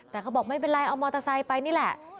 แต่เขาบอกไม่เป็นไรเอามอเตอร์ไซค์ไปนี่แหละ